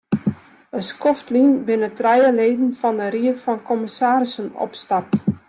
In skoft lyn binne trije leden fan de ried fan kommissarissen opstapt.